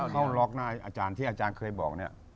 เข้าล็อกหน้าอาจารย์ที่อาจารย์เคยบอกเนี่ย